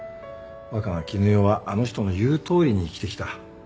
若菜絹代はあの人の言うとおりに生きてきた。